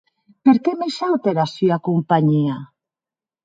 Perque me shaute era sua companhia?